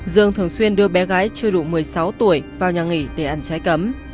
dương thường xuyên đưa bé gái chưa đủ một mươi sáu tuổi vào nhà nghỉ để ăn trái cấm